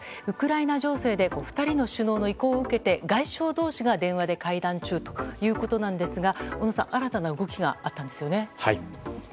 ウクライナ情勢で２人の首脳の意向を受けて外相同士が電話で会談中ということですが小野さん、新たな動きがあったんですよね。